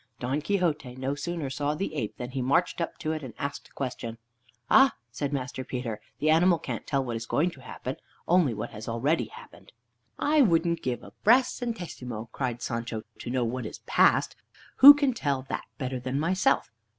Don Quixote no sooner saw the ape, than he marched up to it, and asked a question. "Ah!" said Master Peter, "the animal can't tell what is going to happen; only what has already happened." "I wouldn't give a brass centesimo," cried Sancho, "to know what is past. Who can tell that better than myself?